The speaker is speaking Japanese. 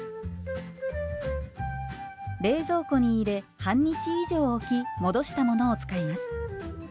冷蔵庫に入れ半日以上置き戻したものを使います。